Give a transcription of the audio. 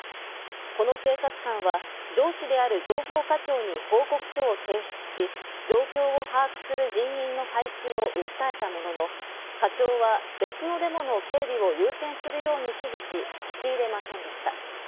この警察官は上司である情報課長に報告書を提出し、状況を把握する人員の配置を訴えたものの、課長は別のデモの警備を優先するように指示し、聞き入れませんでした。